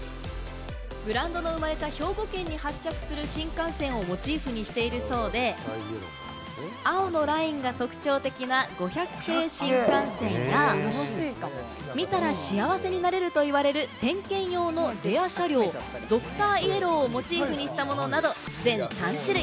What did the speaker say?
ブランドの生まれた兵庫県に発着する新幹線をモチーフにしているそうで、青のラインが特徴的な５００系新幹線や、見たら幸せになれると言われる、点検用のレア車両、ドクターイエローをモチーフにしたものなど、全３種類。